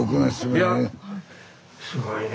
いやすごいね。